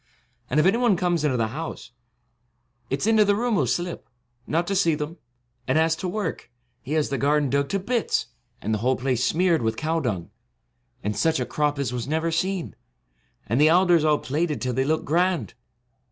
And if any one comes into the 66 house, it 's into the room he '11 slip, not to see them ; and as to work, he has the garden dug to bits, and the whole place smeared with cow dung ; and such a crop as was never seen ; and the alders all plaited till they look grand.